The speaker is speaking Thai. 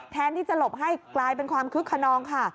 แทนที่จะหลบให้กลายเป็นความคึกขนองค่ะ